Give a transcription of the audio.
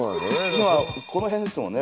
今この辺ですもんね。